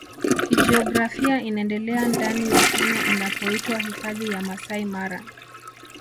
Kijiografia inaendelea ndani ya Kenya inapoitwa Hifadhi ya Masai Mara